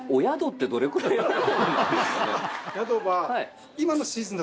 宿は。